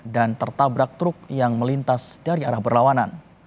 dan tertabrak truk yang melintas dari arah berlawanan